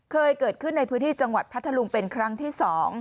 เคยเกิดขึ้นในพื้นที่จังหวัดพัทธลุงเป็นครั้งที่๒